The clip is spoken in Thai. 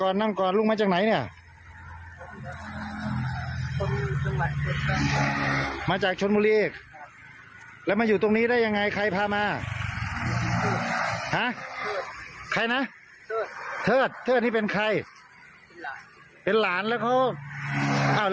แล้วเขาไม่มารับลูนหรือเอารูงมาทิ้งไว้ตรงนี้เหรอ